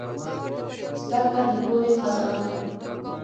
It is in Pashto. زدهکړه د پوهې خزانه ده.